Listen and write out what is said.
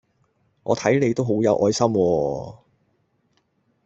我睇你都好有愛心喎